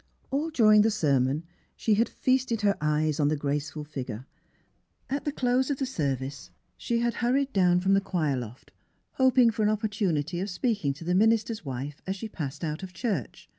All during the sermon she had feasted her eyes on the graceful figure. At the close of the service she had hurried down from the choir loft, hoping for an opportunity of speaking to the minister's wife as she passed out of church.